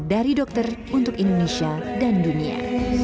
dari dokter untuk indonesia dan dunia